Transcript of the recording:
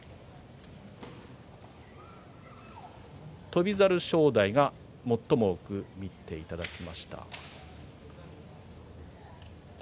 翔猿、正代が最も多く見ていただきました。